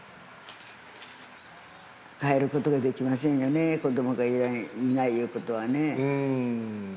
かえることができませんよね、子どもがいないいうことはね。